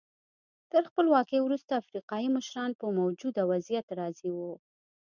تر خپلواکۍ وروسته افریقایي مشران په موجوده وضعیت راضي وو.